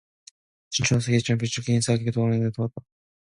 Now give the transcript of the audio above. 춘우와 철수는 비로소 인사를 교환하게 되었다.